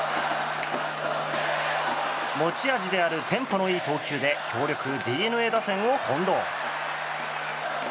持ち味であるテンポのいい投球で強力ＤｅＮＡ打線を翻弄。